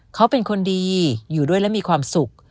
เขาเป็นคนดีอยู่ด้วยและมีความสุข